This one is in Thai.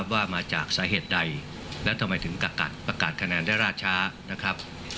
ว่ามาจากสาเหตุใดและทำไมถึงประกาศคะแนนได้ราชา